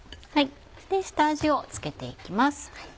下味を付けていきます。